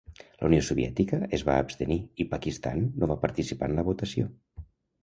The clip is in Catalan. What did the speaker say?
La Unió Soviètica es va abstenir i Pakistan no va participar en la votació.